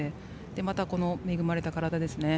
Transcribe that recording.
また、恵まれた体ですよね。